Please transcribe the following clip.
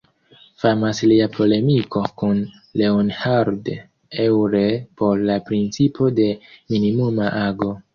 Famas lia polemiko kun Leonhard Euler pro la principo de minimuma ago.